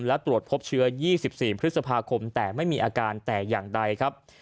และตรวจพบเชื้อ๒๔พฤษภาคมแต่ไม่มีอาการแต่อย่างใดครับ